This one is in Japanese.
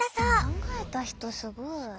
考えた人すごい。